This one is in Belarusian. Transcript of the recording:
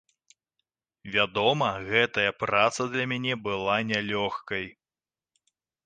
Вядома, гэтая праца для мяне была нялёгкай.